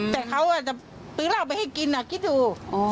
แต่เขาอาจจะปื้นเราไปให้กินน่ะคิดดู